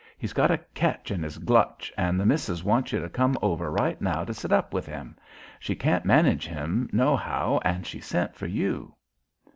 He's got a ketch in his glutch and the Missus wants you to come over right now to sit up with him. She can't manage him no how and she's sent for you."